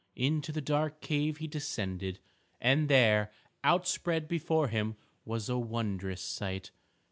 Into the dark cave he descended, and there outspread before him was a wondrous sight.